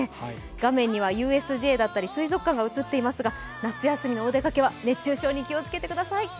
画面にはＵＳＪだったり水族館が映っていますが、夏休みのお出かけは熱中症に気をつけてください。